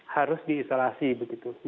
harus diisolasi begitu